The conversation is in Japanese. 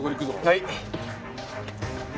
はい。